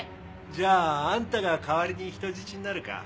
じゃああんたが代わりに人質になるか？